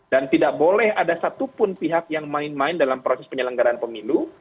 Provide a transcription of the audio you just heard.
dan tidak boleh ada satupun pihak yang main main dalam proses penyelenggaraan pemilu